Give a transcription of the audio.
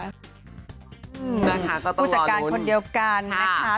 ต้องรอลุ้นนะครับคุณค่ะก็ต้องรอลุ้นผู้จัดการคนเดียวกันนะคะ